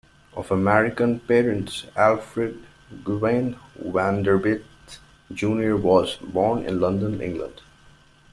Of American parents, Alfred Gwynne Vanderbilt, Junior was born in London, England.